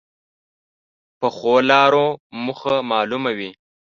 پخو لارو موخه معلومه وي